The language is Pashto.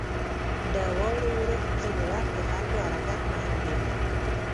• د واورې اورښت ځینې وخت د خلکو حرکت محدودوي.